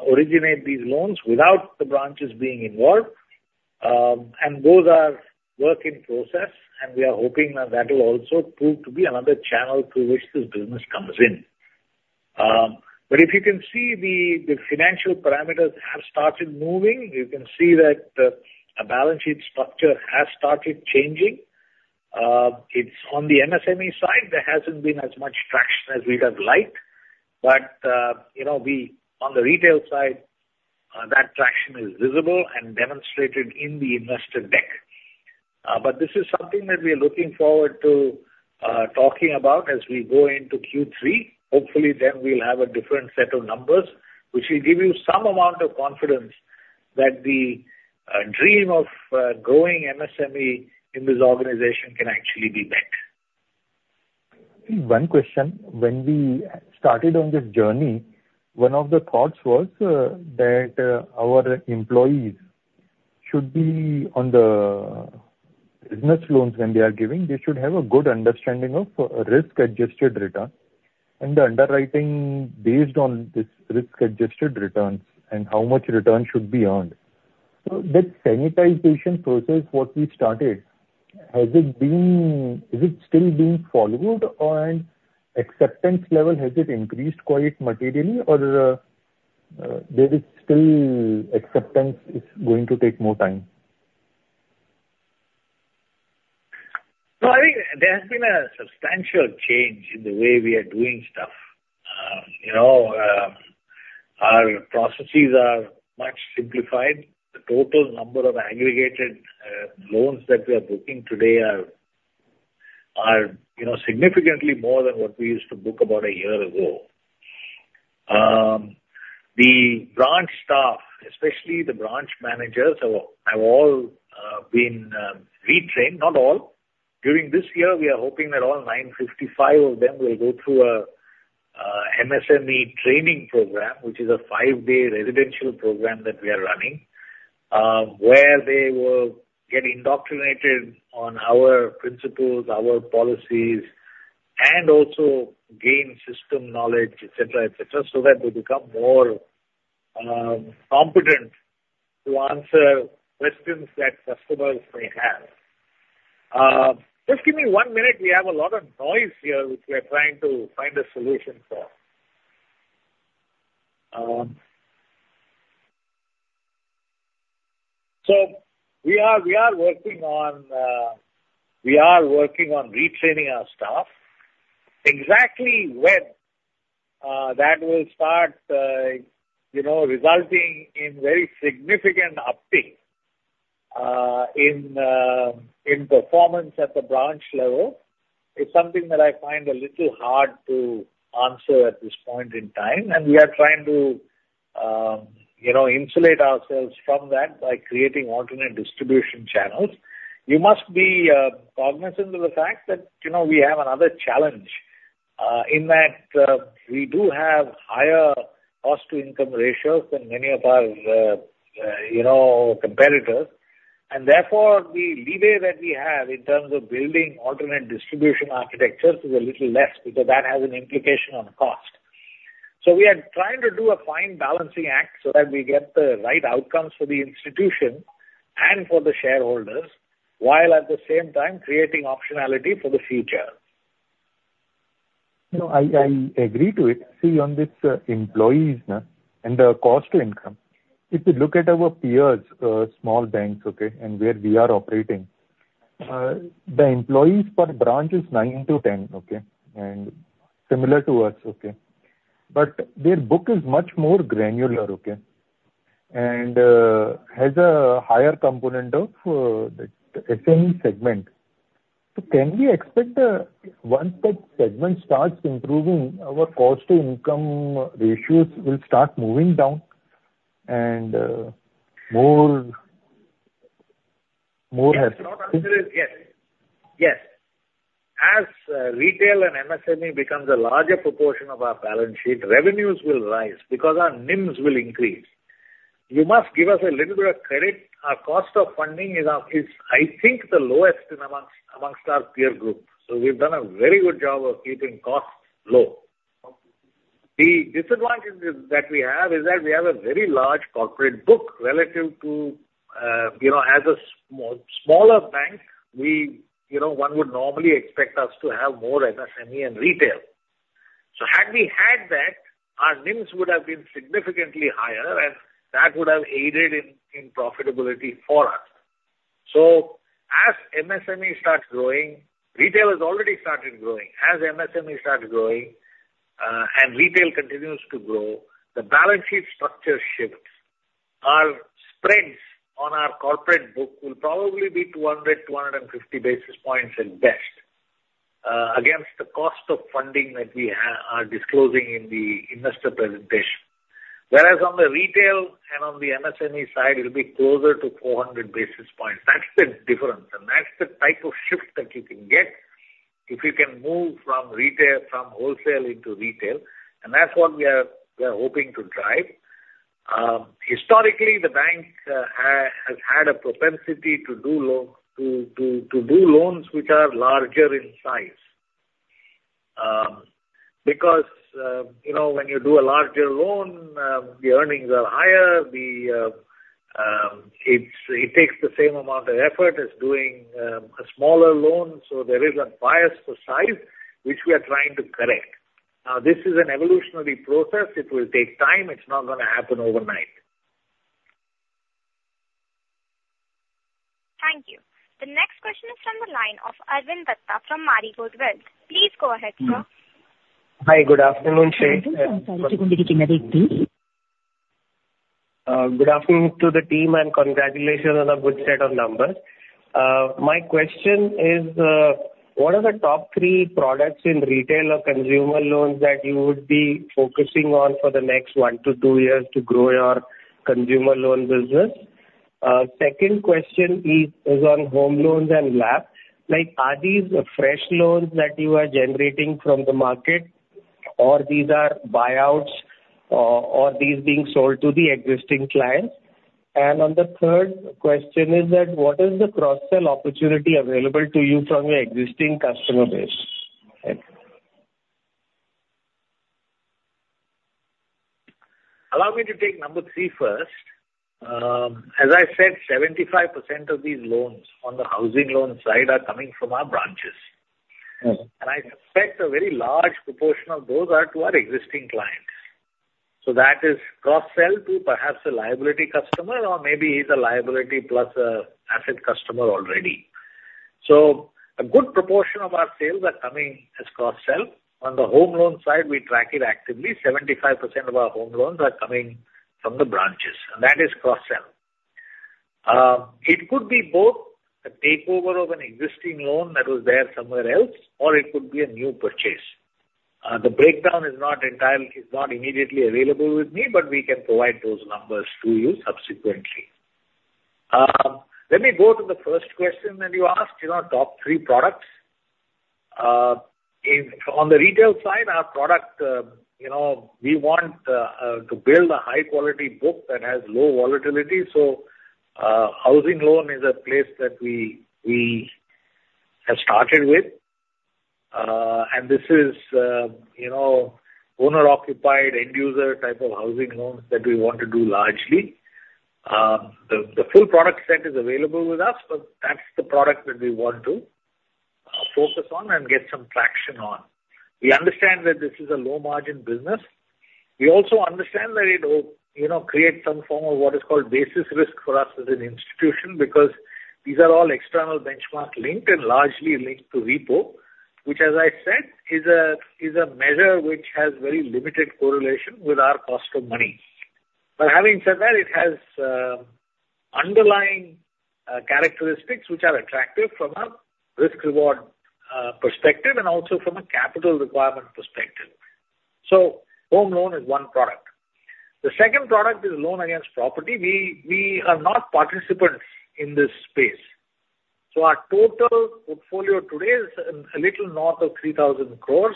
originate these loans without the branches being involved. And those are work in process, and we are hoping that that will also prove to be another channel through which this business comes in. But if you can see, the financial parameters have started moving. You can see that a balance sheet structure has started changing. It's on the MSME side. There hasn't been as much traction as we would have liked. But on the retail side, that traction is visible and demonstrated in the investor deck. But this is something that we are looking forward to talking about as we go into Q3. Hopefully, then we'll have a different set of numbers, which will give you some amount of confidence that the dream of growing MSME in this organization can actually be met. One question. When we started on this journey, one of the thoughts was that our employees should be on the business loans when they are giving. They should have a good understanding of risk-adjusted return and the underwriting based on this risk-adjusted returns and how much return should be earned. So that sanitization process, what we started, has it been followed? Is it still being followed? And acceptance level, has it increased quite materially, or there is still acceptance going to take more time? So I think there has been a substantial change in the way we are doing stuff. Our processes are much simplified. The total number of aggregated loans that we are booking today are significantly more than what we used to book about a year ago. The branch staff, especially the branch managers, have all been retrained. Not all. During this year, we are hoping that all 955 of them will go through an MSME training program, which is a five-day residential program that we are running, where they will get indoctrinated on our principles, our policies, and also gain system knowledge, etc., etc., so that they become more competent to answer questions that customers may have. Just give me one minute. We have a lot of noise here, which we are trying to find a solution for. So we are working on retraining our staff. Exactly when that will start resulting in very significant uptick in performance at the branch level is something that I find a little hard to answer at this point in time. And we are trying to insulate ourselves from that by creating alternate distribution channels. You must be cognizant of the fact that we have another challenge in that we do have higher cost-to-income ratios than many of our competitors. And therefore, the leeway that we have in terms of building alternate distribution architectures is a little less because that has an implication on cost. So we are trying to do a fine balancing act so that we get the right outcomes for the institution and for the shareholders while at the same time creating optionality for the future. I agree to it. See, on this employees and the cost-to-income, if you look at our peers, small banks, okay, and where we are operating, the employees per branch is nine to 10, okay, and similar to us, okay. But their book is much more granular, okay, and has a higher component of the SME segment. So can we expect that once that segment starts improving, our cost-to-income ratios will start moving down and more? Yes. Yes. As retail and MSME becomes a larger proportion of our balance sheet, revenues will rise because our NIMs will increase. You must give us a little bit of credit. Our cost of funding is, I think, the lowest amongst our peer group. So we've done a very good job of keeping costs low. The disadvantage that we have is that we have a very large corporate book relative to as a smaller bank, one would normally expect us to have more MSME and retail. So had we had that, our NIMs would have been significantly higher, and that would have aided in profitability for us. So as MSME starts growing, retail has already started growing. As MSME starts growing and retail continues to grow, the balance sheet structure shifts. Our spreads on our corporate book will probably be 200-250 basis points at best against the cost of funding that we are disclosing in the investor presentation. Whereas on the retail and on the MSME side, it'll be closer to 400 basis points. That's the difference. And that's the type of shift that you can get if you can move from wholesale into retail. And that's what we are hoping to drive. Historically, the bank has had a propensity to do loans which are larger in size because when you do a larger loan, the earnings are higher. It takes the same amount of effort as doing a smaller loan. So there is a bias for size, which we are trying to correct. Now, this is an evolutionary process. It will take time. It's not going to happen overnight. Thank you. The next question is from the line of Arvind Datta from Marigold Wealth. Please go ahead, sir. Hi. Good afternoon, Sesh. Good afternoon to the team, and congratulations on a good set of numbers. My question is, what are the top three products in retail or consumer loans that you would be focusing on for the next one to two years to grow your consumer loan business? Second question is on home loans and LAP. Are these fresh loans that you are generating from the market, or these are buyouts, or these being sold to the existing clients? And on the third question is that what is the cross-sell opportunity available to you from your existing customer base? Allow me to take number three first. As I said, 75% of these loans on the housing loan side are coming from our branches. And I suspect a very large proportion of those are to our existing clients. So that is cross-sell to perhaps a liability customer, or maybe he's a liability plus an asset customer already. So a good proportion of our sales are coming as cross-sell. On the home loan side, we track it actively. 75% of our home loans are coming from the branches. And that is cross-sell. It could be both a takeover of an existing loan that was there somewhere else, or it could be a new purchase. The breakdown is not immediately available with me, but we can provide those numbers to you subsequently. Let me go to the first question that you asked, top three products. On the retail side, our product, we want to build a high-quality book that has low volatility, so housing loan is a place that we have started with, and this is owner-occupied, end-user type of housing loans that we want to do largely. The full product set is available with us, but that's the product that we want to focus on and get some traction on. We understand that this is a low-margin business. We also understand that it will create some form of what is called basis risk for us as an institution because these are all external benchmarks linked and largely linked to repo, which, as I said, is a measure which has very limited correlation with our cost of money, but having said that, it has underlying characteristics which are attractive from a risk-reward perspective and also from a capital requirement perspective. Home loan is one product. The second product is Loan Against Property. We are not participants in this space. Our total portfolio today is a little north of 3,000 crores.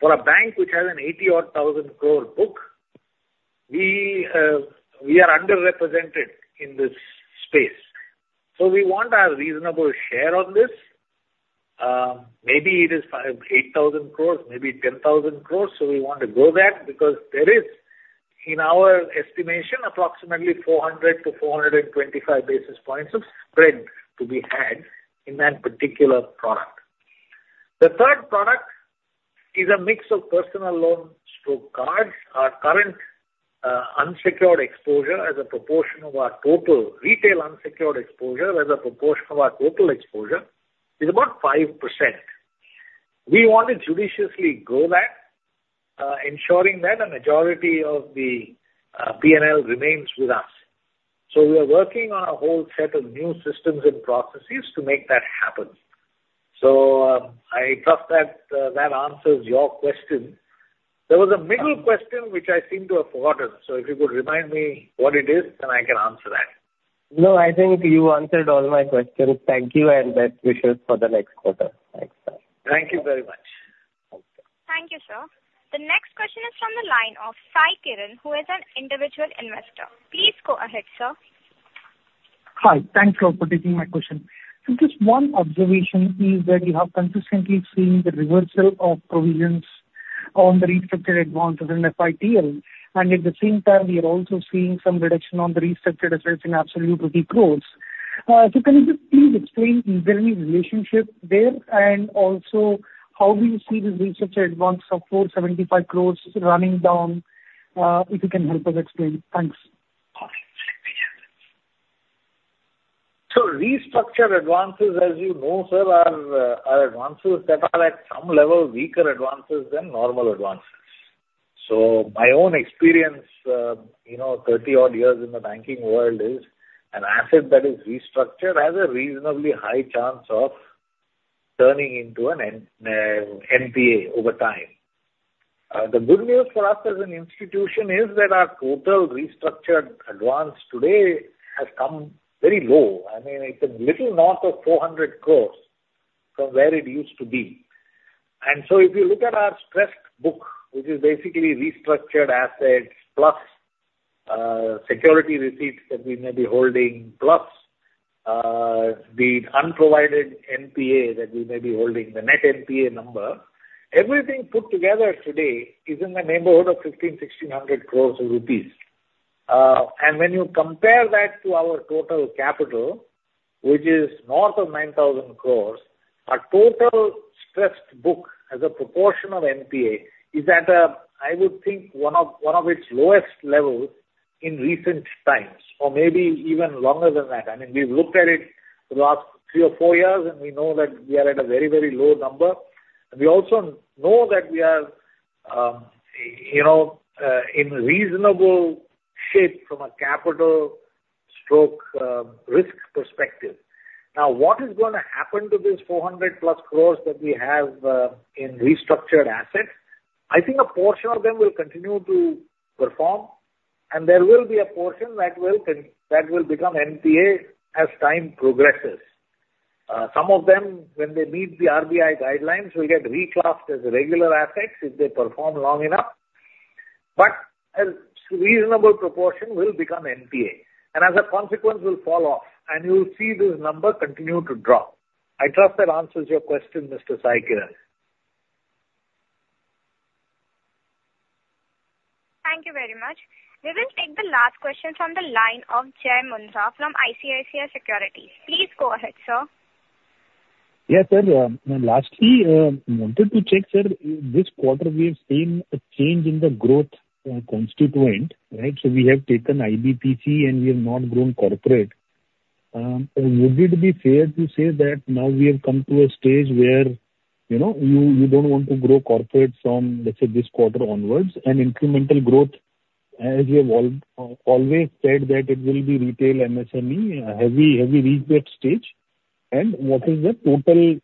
For a bank which has an 80-odd thousand crore book, we are underrepresented in this space. We want our reasonable share on this. Maybe it is 8,000 crores, maybe 10,000 crores. We want to go that because there is, in our estimation, approximately 400-425 basis points of spread to be had in that particular product. The third product is a mix of personal loans through cards. Our current unsecured exposure as a proportion of our total retail unsecured exposure as a proportion of our total exposure is about 5%. We want to judiciously grow that, ensuring that a majority of the P&L remains with us. So we are working on a whole set of new systems and processes to make that happen. So I trust that that answers your question. There was a middle question which I seem to have forgotten. So if you could remind me what it is, then I can answer that. No, I think you answered all my questions. Thank you, and best wishes for the next quarter. Thanks. Thank you very much. Thank you, sir. The next question is from the line of Sai Kiran, who is an individual investor. Please go ahead, sir. Hi. Thanks for taking my question. Just one observation is that you have consistently seen the reversal of provisions on the restructured advances in FITL. And at the same time, we are also seeing some reduction on the restructured assets in absolute retail. So can you just please explain the relationship there? And also, how do you see the restructured advance of 475 crores running down? If you can help us explain. Thanks. So restructured advances, as you know, sir, are advances that are at some level weaker advances than normal advances. So my own experience, 30-odd years in the banking world, is an asset that is restructured has a reasonably high chance of turning into an NPA over time. The good news for us as an institution is that our total restructured advance today has come very low. I mean, it's a little north of 400 crore from where it used to be. And so if you look at our stressed book, which is basically restructured assets plus Security Receipts that we may be holding plus the unprovided NPA that we may be holding, the net NPA number, everything put together today is in the neighborhood of 1,500-1,600 crore rupees. And when you compare that to our total capital, which is north of 9,000 crores, our total stressed book as a proportion of NPA is at, I would think, one of its lowest levels in recent times or maybe even longer than that. I mean, we've looked at it for the last three or four years, and we know that we are at a very, very low number. And we also know that we are in reasonable shape from a capital-to-risk perspective. Now, what is going to happen to this 400-plus crores that we have in restructured assets? I think a portion of them will continue to perform, and there will be a portion that will become NPA as time progresses. Some of them, when they meet the RBI guidelines, will get reclassed as regular assets if they perform long enough. But a reasonable proportion will become NPA. And as a consequence, will fall off. And you'll see this number continue to drop. I trust that answers your question, Mr. Sai Kiran. Thank you very much. We will take the last question from the line of Jai Mundra from ICICI Securities. Please go ahead, sir. Yes, sir. Lastly, I wanted to check, sir, this quarter we have seen a change in the growth constituent, right? So we have taken IBPC, and we have not grown corporate. Would it be fair to say that now we have come to a stage where you don't want to grow corporate from, let's say, this quarter onwards? And incremental growth, as you have always said, that it will be retail MSME, a heavy retail stage. And what is the total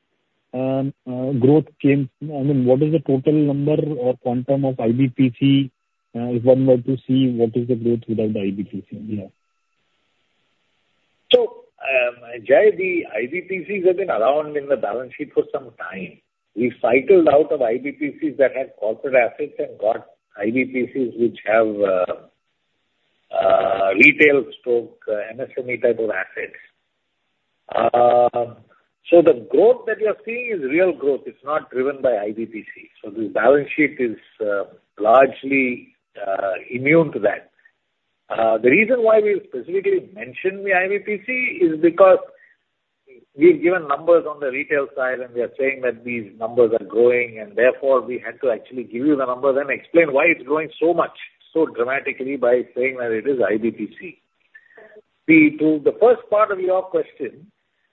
growth? I mean, what is the total number or quantum of IBPC if one were to see what is the growth without the IBPC? Yeah. So Jai, the IBPCs have been around in the balance sheet for some time. We cycled out of IBPCs that had corporate assets and got IBPCs which have retail stroke MSME type of assets. So the growth that you're seeing is real growth. It's not driven by IBPC. So the balance sheet is largely immune to that. The reason why we specifically mention the IBPC is because we've given numbers on the retail side, and we are saying that these numbers are growing. And therefore, we had to actually give you the numbers and explain why it's growing so much, so dramatically, by saying that it is IBPC. The first part of your question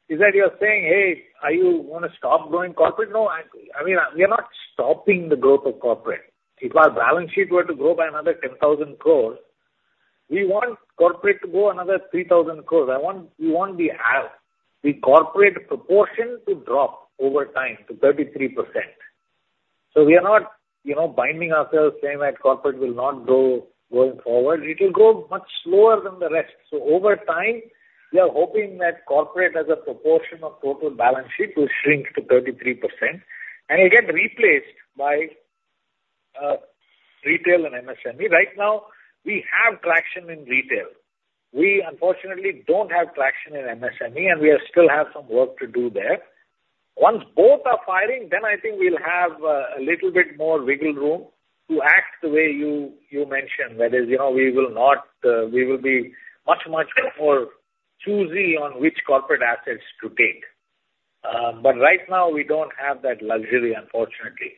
is that you're saying, "Hey, are you going to stop growing corporate?" No, I mean, we are not stopping the growth of corporate. If our balance sheet were to grow by another 10,000 crores, we want corporate to grow another 3,000 crores. We want the corporate proportion to drop over time to 33%. So we are not binding ourselves saying that corporate will not grow going forward. It will grow much slower than the rest. So over time, we are hoping that corporate, as a proportion of total balance sheet, will shrink to 33%, and it gets replaced by retail and MSME. Right now, we have traction in retail. We, unfortunately, don't have traction in MSME, and we still have some work to do there. Once both are firing, then I think we'll have a little bit more wiggle room to act the way you mentioned, that is, we will be much, much more choosy on which corporate assets to take. But right now, we don't have that luxury, unfortunately.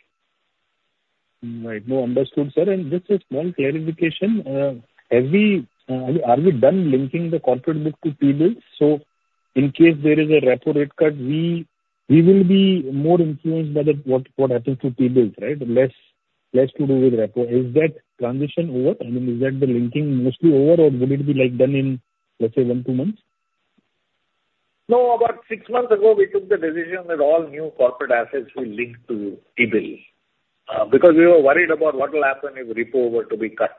Right. No, understood, sir. And just a small clarification. Are we done linking the corporate book to T-bills? So in case there is a Repo rate cut, we will be more influenced by what happens to T-bills, right? Less to do with Repo. Is that transition over? I mean, is that the linking mostly over, or would it be done in, let's say, one to two months? No, about six months ago, we took the decision that all new corporate assets will link to T-bills because we were worried about what will happen if repo were to be cut.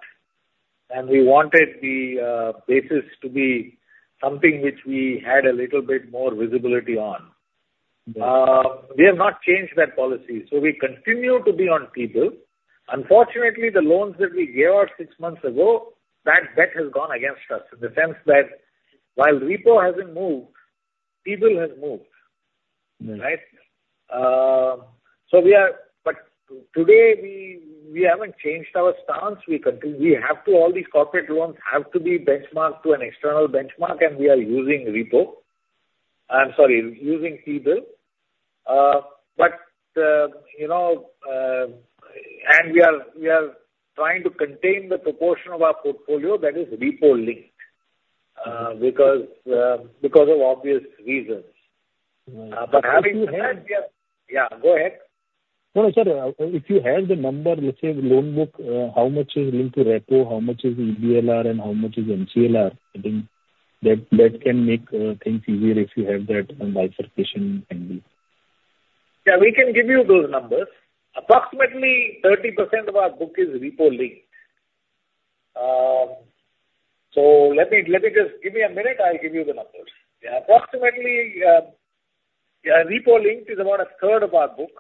And we wanted the basis to be something which we had a little bit more visibility on. We have not changed that policy. So we continue to be on T-bills. Unfortunately, the loans that we gave out six months ago, that bet has gone against us in the sense that while repo hasn't moved, T-bill has moved, right? But today, we haven't changed our stance. We have to, all these corporate loans have to be benchmarked to an external benchmark, and we are using repo. I'm sorry, using T-bill. But we are trying to contain the proportion of our portfolio that is repo-linked because of obvious reasons. But having said that, yeah, go ahead. No, no, sir. If you have the number, let's say, the loan book, how much is linked to repo, how much is EBLR, and how much is MCLR? I think that can make things easier if you have that bifurcation handy. Yeah, we can give you those numbers. Approximately 30% of our book is repo-linked. So let me just give you a minute. I'll give you the numbers. Yeah, approximately, repo-linked is about a third of our book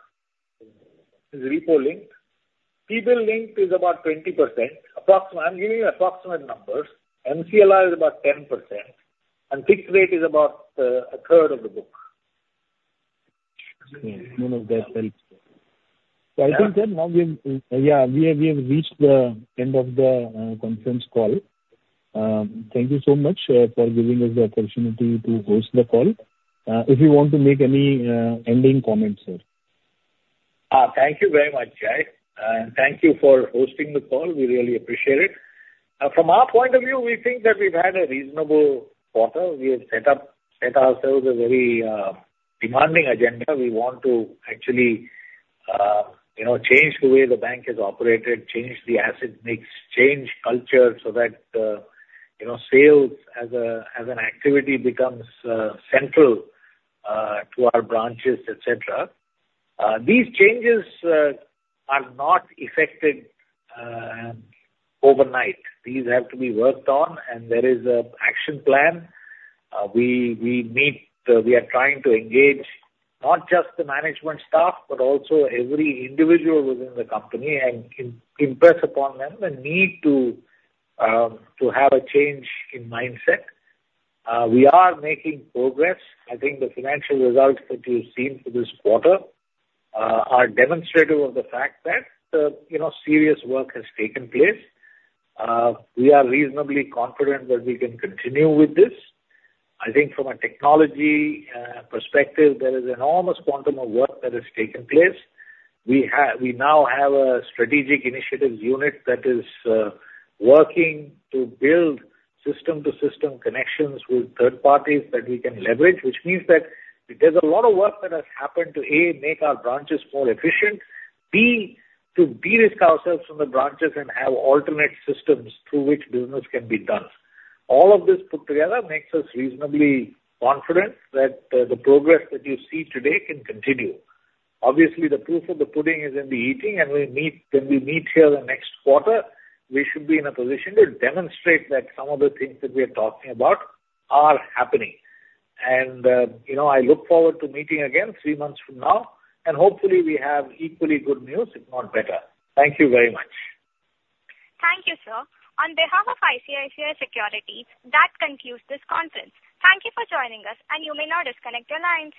is repo-linked. T-bill-linked is about 20%. I'm giving you approximate numbers. MCLR is about 10%. And fixed rate is about a third of the book. None of that helps. So I think that now, yeah, we have reached the end of the conference call. Thank you so much for giving us the opportunity to host the call. If you want to make any ending comments, sir? Thank you very much, Jai. And thank you for hosting the call. We really appreciate it. From our point of view, we think that we've had a reasonable quarter. We have set ourselves a very demanding agenda. We want to actually change the way the bank has operated, change the asset mix, change culture so that sales as an activity becomes central to our branches, etc. These changes are not effected overnight. These have to be worked on, and there is an action plan. We are trying to engage not just the management staff, but also every individual within the company and impress upon them the need to have a change in mindset. We are making progress. I think the financial results that you've seen for this quarter are demonstrative of the fact that serious work has taken place. We are reasonably confident that we can continue with this. I think from a technology perspective, there is an enormous quantum of work that has taken place. We now have a Strategic Initiatives Unit that is working to build system-to-system connections with third parties that we can leverage, which means that there's a lot of work that has happened to, A, make our branches more efficient, B, to de-risk ourselves from the branches and have alternate systems through which business can be done. All of this put together makes us reasonably confident that the progress that you see today can continue. Obviously, the proof of the pudding is in the eating. And when we meet here the next quarter, we should be in a position to demonstrate that some of the things that we are talking about are happening. And I look forward to meeting again three months from now. And hopefully, we have equally good news, if not better. Thank you very much. Thank you, sir. On behalf of ICICI Securities, that concludes this conference. Thank you for joining us, and you may now disconnect your lines.